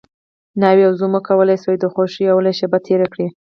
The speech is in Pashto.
ناوې او زوم وکولی شي د خوښۍ لومړۍ شپه تېره کړي.